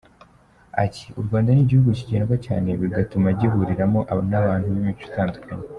Ati: “u Rwanda ni igihugu kigendwa cyane, bigatuma gihuriramo n’abantu b’imico itandukanye.